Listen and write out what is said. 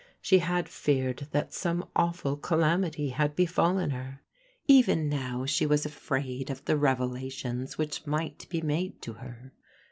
She had feared that some awful ca lamity had befallen her. Even now she was afraid of the revelations which might be made to her.